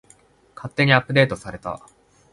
勝手にアップデートされた